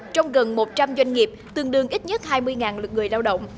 trong gần một trăm linh doanh nghiệp tương đương ít nhất hai mươi lực người lao động